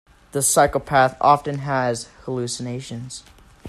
The psychopath often has hallucinations.